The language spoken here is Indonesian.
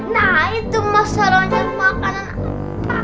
nah itu mas aranya makanan apa